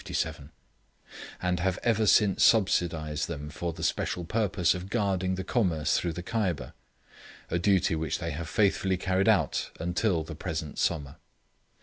] and have ever since subsidised them for the special purpose of guarding the commerce through the Kyber; a duty which they have faithfully carried out until the present summer.